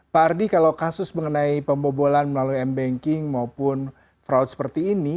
pak ardi kalau kasus mengenai pembobolan melalui m banking maupun fraud seperti ini